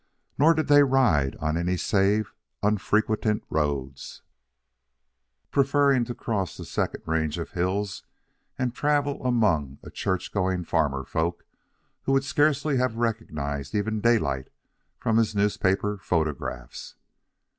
Nor did they ride on any save unfrequented roads, preferring to cross the second range of hills and travel among a church going farmer folk who would scarcely have recognized even Daylight from his newspaper photographs.